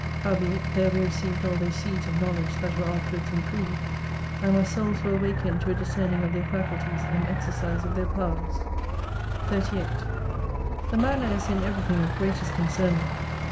Howbeit there we received all those seeds of knowledge that were afterwards improved ; and our souls were awakened to a discerning of their faculties, and exercise of their powers. 38 The manner is in everything of greatest concernment.